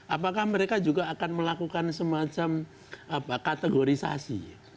apakah mereka juga akan melakukan semacam kategorisasi